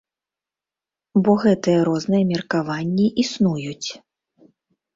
Бо гэтыя розныя меркаванні існуюць.